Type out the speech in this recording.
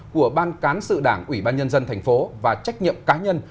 của ban cán sự đảng ủy ban nhân dân thành phố và trách nhiệm cá nhân